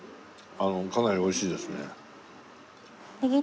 かなりおいしいですね。